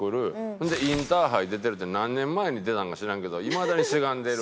ほんでインターハイ出てるって何年前に出たんか知らんけどいまだにせがんでる。